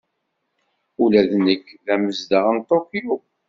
Ula d nekk d amezdaɣ n Tokyo.